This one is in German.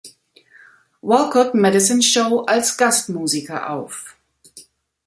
Walcott Medicine Show", als Gastmusiker auf.